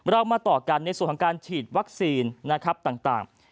เรามาต่อกันในส่วนของการฉีดวัคซีนนะครับต่าง